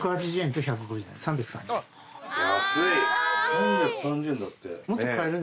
３３０円だって。